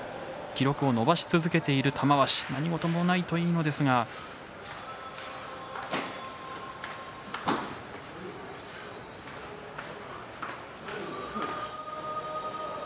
通算連続出場記録を伸ばし続けている玉鷲何事もないといいのですが。